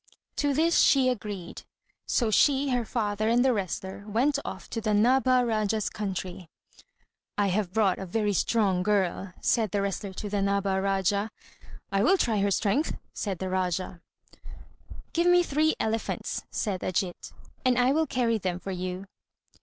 To this she agreed; so she, her father, and the wrestler went off to the Nabha Rájá's country. "I have brought a very strong girl," said the wrestler to the Nabha Rájá. "I will try her strength," said the Rájá. "Give me three elephants," said Ajít, "and I will carry them for you."